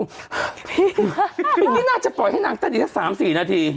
บิ๊กงี้น่าจะปล่อยให้นางเต้นอย่างนี้สามสี่นาที